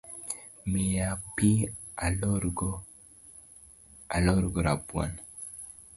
Mia pi alorgo rabuon